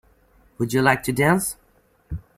Would you like to dance?